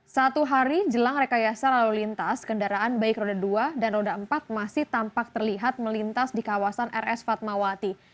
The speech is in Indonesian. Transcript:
satu hari jelang rekayasa lalu lintas kendaraan baik roda dua dan roda empat masih tampak terlihat melintas di kawasan rs fatmawati